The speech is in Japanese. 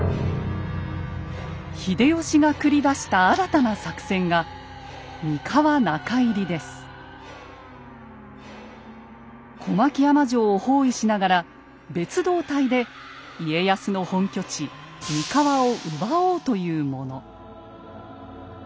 秀吉が繰り出した新たな作戦が小牧山城を包囲しながら別動隊で家康の本拠地・三河を奪おうというもの。